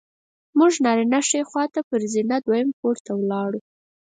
موږ نارینه ښي خوا ته پر زینه دویم پوړ ته ولاړو.